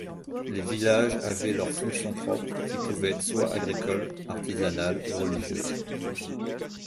Les villages avaient leurs fonctions propres, qui pouvaient être soit agricole, artisanale ou religieuse.